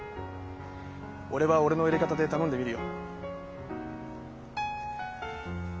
俺は俺のやり方で頼んでみるよ。